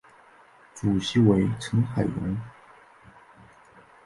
主席为成海荣。